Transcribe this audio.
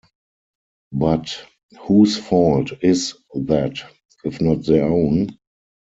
But, whose fault is that, if not their own?